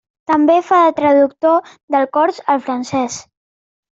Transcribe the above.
També fa de traductor del cors al francès.